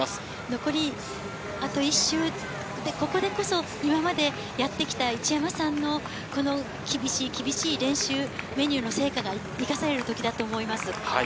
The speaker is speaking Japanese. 残りあと１周で、ここでこそ今までやってきた一山さんの厳しい厳しい練習メニューの成果が生かされるときだと思います。